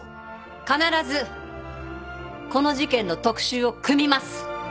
必ずこの事件の特集を組みます！